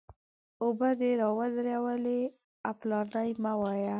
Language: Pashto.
اوبه دې را ودرولې؛ اپلاتي مه وایه!